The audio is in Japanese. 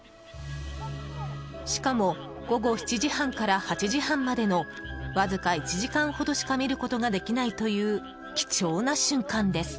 しかも午後７時半から８時半までのわずか１時間ほどしか見ることができないという貴重な瞬間です。